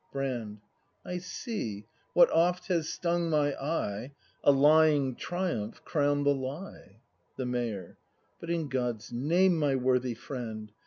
Brand. I see, what oft has stung my eye, A lying triumph crown the lie. The Mayor. But, in God's name, my worthy friend.